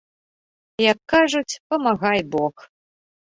Як кажуць, памагай бог.